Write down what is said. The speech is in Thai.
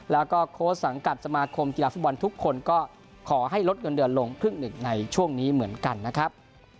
แล้วก็โค้ชสังกัดสมาคมกีฬาฟุตบอลทุกคนก็ขอให้ลดเงินเดือนลงครึ่งหนึ่งในช่วงนี้เหมือนกันนะครับ